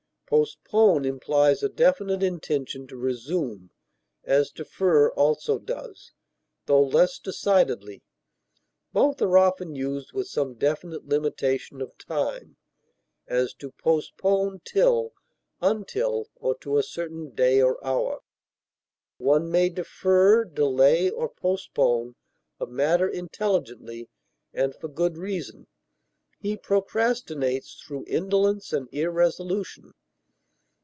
Postpone implies a definite intention to resume, as defer also does, though less decidedly; both are often used with some definite limitation of time; as, to postpone till, until, or to a certain day or hour. One may defer, delay, or postpone a matter intelligently and for good reason; he procrastinates through indolence and irresolution.